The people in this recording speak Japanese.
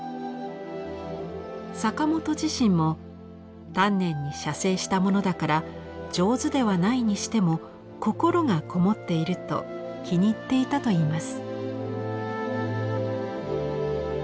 坂本自身も「丹念に写生したものだから上手ではないにしても心がこもっている」と気に入っていたといいます。